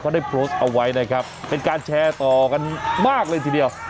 เขาได้โพสต์เอาไว้นะครับเป็นการแชร์ต่อกันมากเลยทีเดียว